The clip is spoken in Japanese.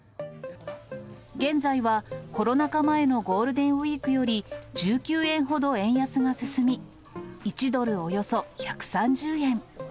現在は、コロナ禍前のゴールデンウィークより１９円ほど円安が進み、１ドルおよそ１３０円。